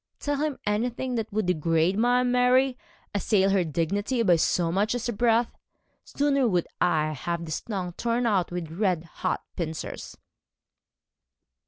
'Tell him anything that would degrade my Mary? Assail her dignity by so much as a breath? Sooner would I have this tongue torn out with red hot pincers.'